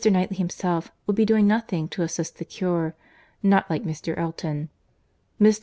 Knightley himself would be doing nothing to assist the cure;—not like Mr. Elton. Mr.